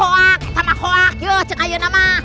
hoak sama hoak yuk cek ayunan mah